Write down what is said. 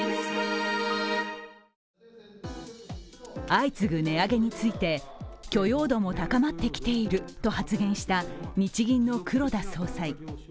相次ぐ値上げについて、許容度も高まってきていると発言した日銀の黒田総裁。